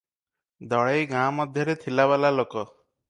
ଦଳେଇ ଗାଁ ମଧ୍ୟରେ ଥିଲାବାଲା ଲୋକ ।